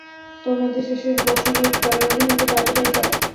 তন্মধ্যে, শেষের বছরগুলোয় দলের অধিনায়কের দায়িত্ব পালন করেন।